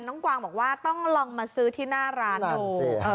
กวางบอกว่าต้องลองมาซื้อที่หน้าร้านดูสิ